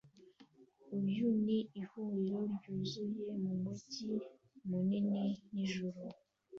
Uyu ni ihuriro ryuzuye mumujyi munini nijoro